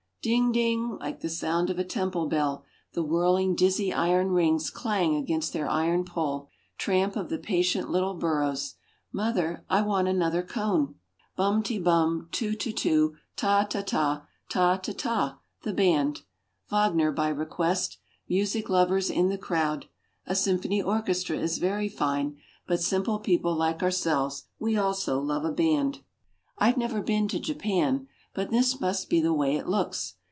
Ding, ding like the sound of a temple bell the whirling, dizzy iron rings clang against their iron pole. Tramp of the patient little burros. "Mother, I want another cone." Bum ti bum, too too too, ta ta ta, ta ta tahh, the band. Wagner by request. Music lovers in the crowd. A symphony orchestra is very fine, but simple people like ourselves, we also love a band. I've never been to Japan, but this must be the way it looks.